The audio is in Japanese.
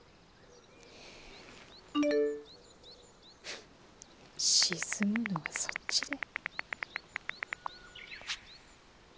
ふっ沈むのはそっちだ。